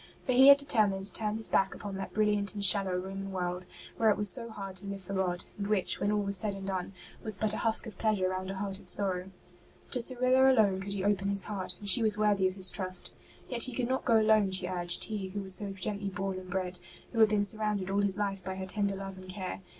For he had determined to turn his back upon that brilliant and shallow Roman world, where it was so hard to live for God, and which, when all was said and done, was but '' a husk of pleasure round a heart of sorrow.'' To Cyrilla alone could he open his heart, and she was worthy of his trust. Yet he could not go alone, she urged, he who was so gently born and bred, who had been surrounded all his life by her tender love and care.